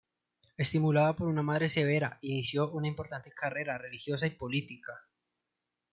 Estimulado por una madre severa, inició una importante carrera, religiosa y política.